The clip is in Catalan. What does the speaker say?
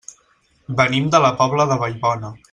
Venim de la Pobla de Vallbona.